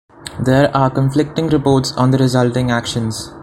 There are conflicting reports on the resulting actions.